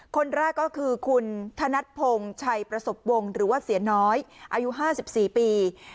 คนแรกก็คือคุณธนัดพงศ์ชัยประสบวงหรือว่าเสียน้อยอายุ๕๔ปี